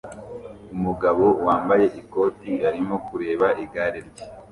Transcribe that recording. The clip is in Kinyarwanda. Umugabo wambaye ikoti arimo kureba igare rye